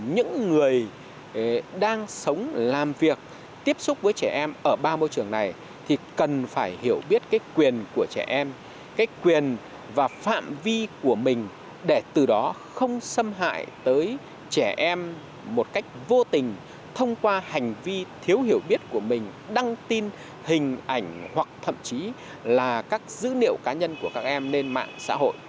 nếu người đang sống làm việc tiếp xúc với trẻ em ở ba môi trường này thì cần phải hiểu biết cái quyền của trẻ em cái quyền và phạm vi của mình để từ đó không xâm hại tới trẻ em một cách vô tình thông qua hành vi thiếu hiểu biết của mình đăng tin hình ảnh hoặc thậm chí là các dữ liệu cá nhân của các em lên mạng xã hội